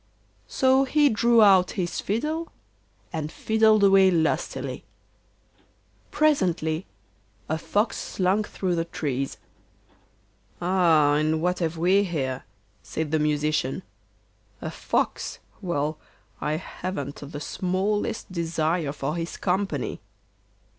So he drew out his fiddle, and fiddled away lustily. Presently a fox slunk through the trees. 'Aha! what have we here?' said the Musician. 'A fox; well, I haven't the smallest desire for his company.